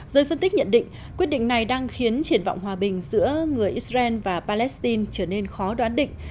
giới phân tích nhận định quyết định này đang khiến triển vọng hòa bình giữa người israel và palestine trở nên khó đoán định